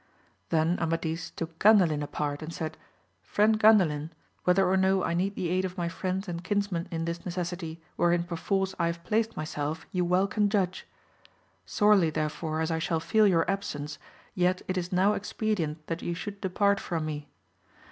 Then Amadis took Gandalin apart and said, Friend Gandalin whether or no I need the aid of my friends and kinsmen in this necessity wherein perforce I have placed myself, you well can judge. Sorely therefore as I shall feel your absence, yet it is now expedient that you should depart from me.